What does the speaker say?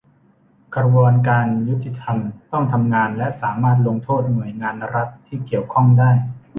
กระบวนการยุติธรรมต้องทำงานและสามารถลงโทษหน่วยงานรัฐที่เกี่ยวข้องได้